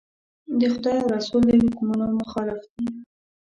د خدای او رسول د حکمونو مخالف دي.